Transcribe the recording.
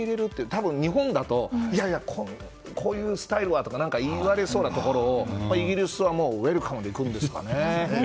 多分、日本だといやいや、こういうスタイルはとかって言われそうなところをイギリスはウェルカムでいくんですかね。